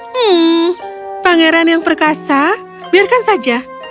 hmm pangeran yang perkasa biarkan saja